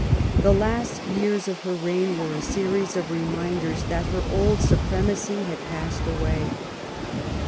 The last years of her reign were a series of reminders that her old supremacy had passed away.